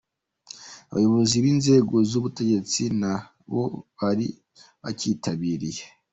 Abayobozi b’inzego z’ubutegetsi na bo bari bacyitabiriye.